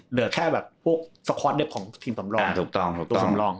เหลือแค่พวกสคอร์ตเด็บของทีมสำรอง